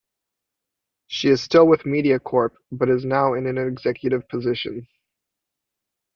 She is still with MediaCorp but is now in an executive position.